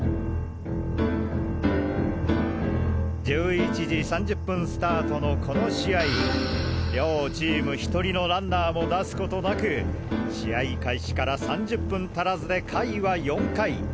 １１時３０分スタートのこの試合両チーム１人のランナーも出すことなく試合開始から３０分足らずで回は４回！